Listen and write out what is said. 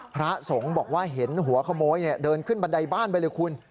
พระสงฆ์บอกว่าเห็นหัวขโมยเดินขึ้นบันไดบ้านไปเลยคุณ